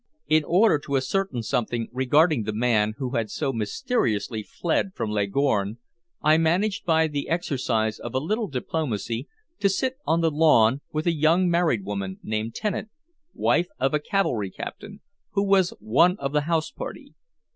In order to ascertain something regarding the man who had so mysteriously fled from Leghorn, I managed by the exercise of a little diplomacy to sit on the lawn with a young married woman named Tennant, wife of a cavalry captain, who was one of the house party.